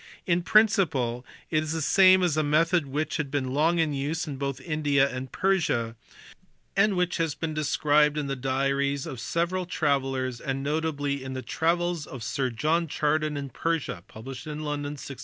In principle it is the same as a method which had been long in use both in India and Persia, and which has been described in the diaries of several travellers and notably in the Travels of Svr John Chardin in Persia, London, 1686.